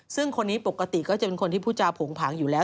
ซึ่งคนนี้ปกติก็จะเป็นคนที่พูดจาโผงผางอยู่แล้ว